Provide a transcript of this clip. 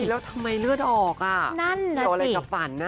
แล้วทำไมเลือดออกอ่ะนั่นล่ะสิเดี๋ยวอะไรกับฝัน